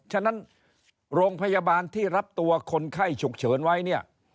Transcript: ฉะนั้นโรงพยาบาลที่รับตัวคนไข้ฉุกเฉินไว้เนี่ย